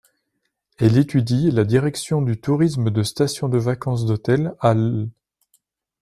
Elle étudie la direction du tourisme de station de vacances d'Hôtel à l'.